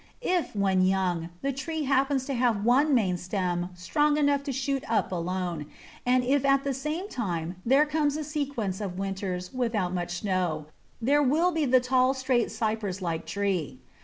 If, when young, the tree happens to have one main stem strong enough to shoot up alone, and if at the same time there come a sequence of winters without much snow, there will be the tall, straight, cypress like tree.